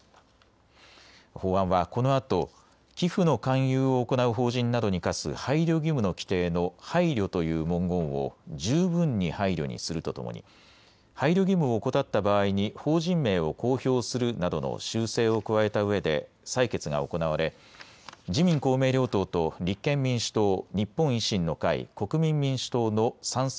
法案はこのあと寄付の勧誘を行う法人などに課す配慮義務の規定の配慮という文言を十分に配慮にするとともに配慮義務を怠った場合に法人名を公表するなどの修正を加えたうえで採決が行われ、自民公明両党と立憲民主党、日本維新の会、国民民主党の賛成